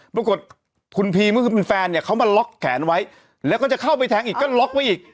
ปรากฏคุณพีมก็คือเป็นแฟนเนี่ยเขามาล็อกแขนไว้แล้วก็จะเข้าไปแทงอีกก็ล็อกไว้อีก